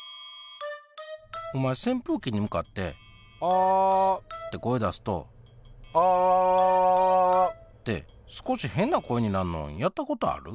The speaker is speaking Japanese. お前せんぷうきに向かって「あ」って声出すと「あぁあぁ」って少し変な声になるのやったことある？